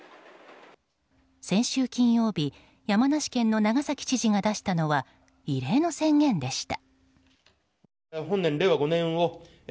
先週金曜日山梨県の長崎知事が出したのは異例の宣言でした。